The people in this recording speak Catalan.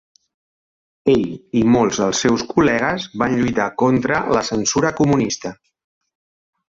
Ell i molts dels seus col·legues van lluitar contra la censura comunista.